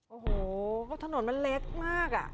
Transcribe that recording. โอ้โหทะหน่ทำันเล็กมาก